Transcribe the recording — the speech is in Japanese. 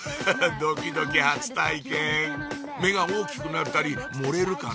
ドキドキ初体験目が大きくなったり盛れるかな？